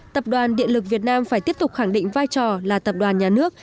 tập đoàn điện lực việt nam phải tiếp tục khẳng định vai trò là tập đoàn nhà nước